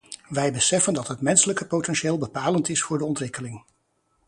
Wij beseffen dat het menselijke potentieel bepalend is voor de ontwikkeling.